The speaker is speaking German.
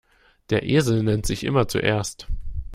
Der Esel nennt sich immer zuerst.